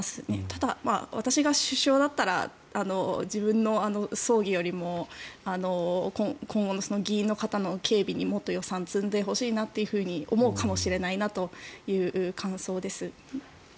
ただ、私が首相だったら自分の葬儀よりも今後の議員の方の警備にもっと予算を積んでほしいなと思うかもしれないなという感想です。